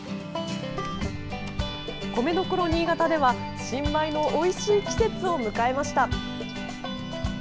米どころ新潟では新米のおいしい季節を迎えました。